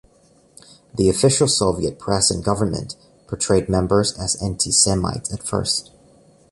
The official Soviet press and government portrayed members as anti-Semites at first.